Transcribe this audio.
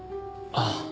ああ。